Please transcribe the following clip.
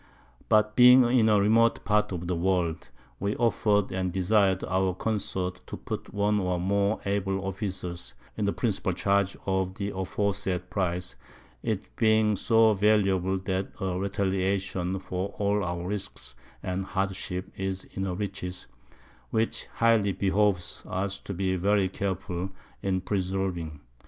But being in a remote part of the World, we offer'd and desired our Consorts to put one or more able Officers in the principal charge of the aforesaid Prize, it being so valuable that a Retaliation for all our Risques and Hardships is in her Riches, which highly behoves us to be very careful in preserving.